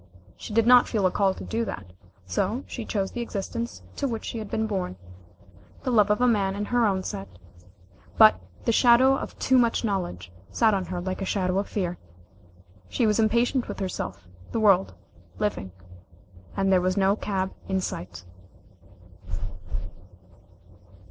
She did not feel a call to do that, so she chose the existence to which she had been born; the love of a man in her own set, but the shadow of too much knowledge sat on her like a shadow of fear. She was impatient with herself, the world, living, and there was no cab in sight.